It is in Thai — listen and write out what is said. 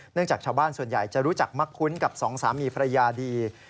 จากชาวบ้านส่วนใหญ่จะรู้จักมักคุ้นกับสองสามีภรรยาดี